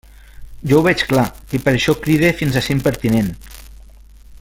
Jo ho veig clar, i per això cride fins a ser impertinent.